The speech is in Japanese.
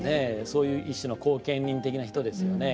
そういう一種の後見人的な人ですよね。